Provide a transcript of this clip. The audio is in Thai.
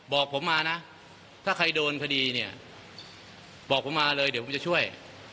บอกผมมาเลยเดี๋ยวผมจะช่วย